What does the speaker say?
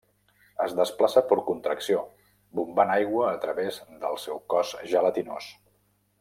Es desplaça per contracció, bombant aigua a través del seu cos gelatinós.